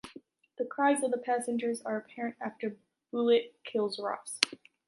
The cries of the passengers are apparent after Bullitt kills Ross.